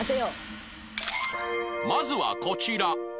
まずはこちら